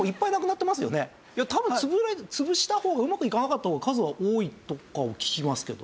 いや多分潰した方がうまくいかなかった方が数は多いとかを聞きますけど。